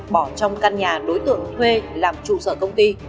bỏ trong căn nhà đối tượng thuê làm trụ sở công ty